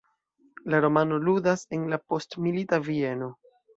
La romano ludas en la postmilita Vieno.